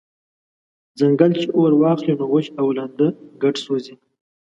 « ځنګل چی اور واخلی نو وچ او لانده ګډ سوځوي»